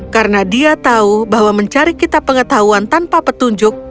karena dia tahu bahwa mencari kita pengetahuan tanpa petunjuk